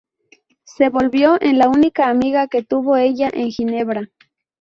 Se volvió en la única amiga que tuvo ella en Ginebra.